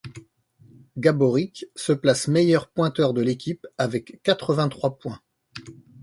Gáborík se place meilleur pointeur de l'équipe avec quatre-vingt-trois points.